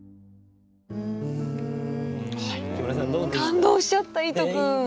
感動しちゃった、いと君。